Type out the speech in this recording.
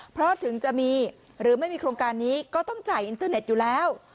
เพราะถึงจะมีหรือไม่มีโครงการนี้ก็ต้องจ่ายอินเทอร์เน็ตอยู่แล้ว